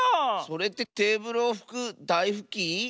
それってテーブルをふくだいふき？